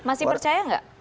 masih percaya nggak